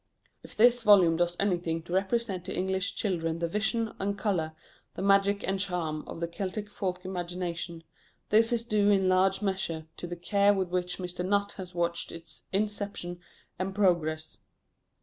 If this volume does anything to represent to English children the vision and colour, the magic and charm, of the Celtic folk imagination, this is due in large measure to the care with which Mr. Nutt has watched its inception and progress.